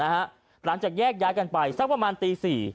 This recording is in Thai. หลังจากแยกย้ายกันไปสักประมาณตี๔